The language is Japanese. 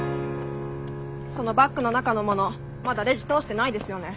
そのバッグの中の物まだレジ通してないですよね。